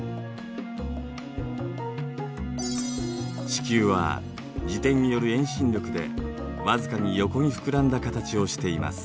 地球は自転による遠心力でわずかに横に膨らんだ形をしています。